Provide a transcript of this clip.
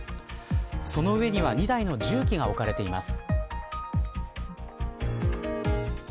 その上には２台の重機が置かれています。